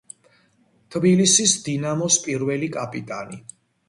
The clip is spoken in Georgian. თბილისის „დინამოს“ პირველი კაპიტანი.